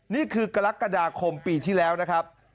นี่คือกรกฎาคมปีที่แล้วนะครับ